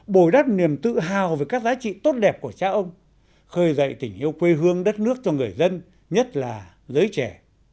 bồi đắp niềm tự hào về các giá trị tốt đẹp của cha ông khơi dậy tình yêu quê hương đất nước cho người dân nhất là giới trẻ